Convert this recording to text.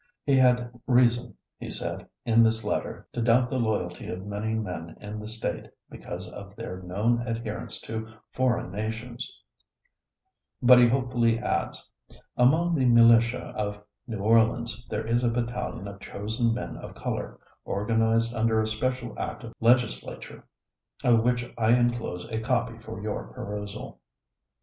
He had reason, he said in this letter, to doubt the loyalty of many men in the state, because of their known adherence to foreign nations, but he hopefully adds, "Among the militia of New Orleans there is a battalion of chosen men of color, organized under a special act of Legislature, of which I inclose a copy for your perusal."